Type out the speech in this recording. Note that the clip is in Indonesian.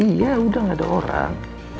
iya udah gak ada orang